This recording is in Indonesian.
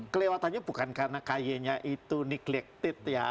kelewatannya bukan karena kj nya itu neglected ya